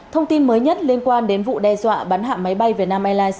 thông tin mới nhất liên quan đến vụ đe dọa bắn hạm máy bay việt nam airlines